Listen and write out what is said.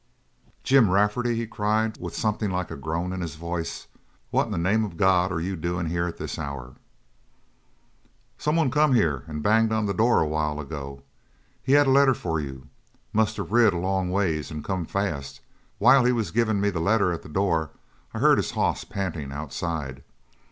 "Jim Rafferty!" he cried, with something like a groan in his voice. "What in the name of God are you doin' here at this hour?" "Someone come here and banged on the door a while ago. Had a letter for you. Must have rid a long ways and come fast; while he was givin' me the letter at the door I heard his hoss pantin' outside.